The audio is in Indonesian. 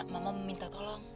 mama meminta tolong